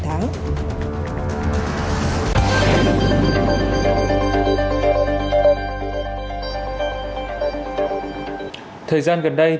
thời gian gần đây những người môi giới bất động sản